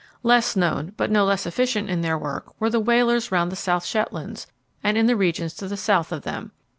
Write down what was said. Less known, but no less efficient in their work, were the whalers round the South Shetlands and in the regions to the south of them.